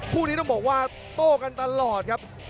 คู่นี้ต้องบอกว่าโต้กันตลอดครับ